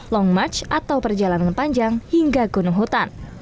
long march atau perjalanan panjang hingga gunung hutan